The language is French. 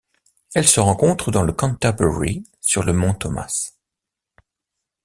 Elle se rencontre dans le Canterbury sur le mont Thomas.